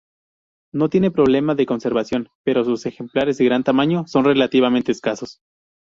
No tiene problema de conservación, pero sus ejemplares de gran tamaño son relativamente escasos.